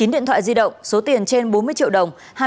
chín điện thoại di động số tiền trên bốn mươi triệu đồng